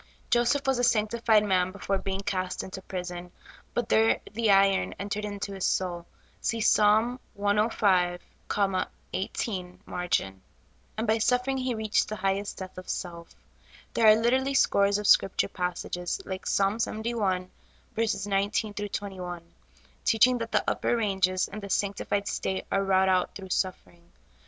Joseph was a sanctified man before being cast into prison ; but there the iron entered into his soul (see Ps. 105, 18 margin), and by suffering he reached the highest death of self. There are literally scores of Scripture passages, hke Ps. 71: 19 21, teaching that the upper ranges in the sanctified state are wrought out through suffering.